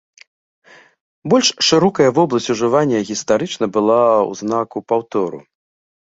Больш шырокая вобласць ужывання гістарычна была ў знакаў паўтору.